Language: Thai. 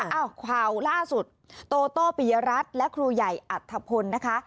เอ้าข่าวล่าสุดโตโต้ปียรัตน์และครูใหญ่อัทธพนธ์นะคะ